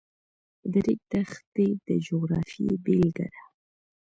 د ریګ دښتې د جغرافیې بېلګه ده.